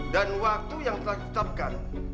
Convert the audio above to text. dan waktu yang telah ditetapkan